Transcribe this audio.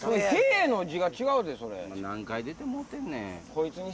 何回出てもろてんねん！